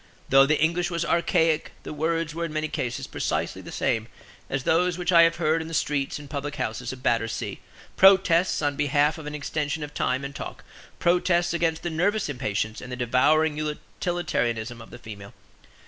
Though the English was archaic, the words were in many cases precisely the same as those which I have heard in the streets and public houses of Battersea, protests on behalf of an extension of time and talk, protests against the nervous impatience and the devouring utilitarianism of the female.